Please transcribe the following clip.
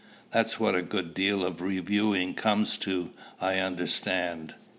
That's what a good deal of reviewing comes to, I understand.